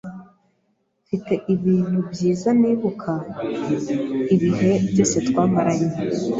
Mfite ibintu byiza nibuka ibihe byose twamaranye.